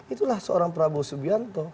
itulah seorang prabowo subianto